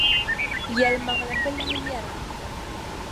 Yɛlimaŋli bi lahi yɛra.